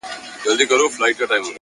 صبر د بېړې زیانونه کموي.!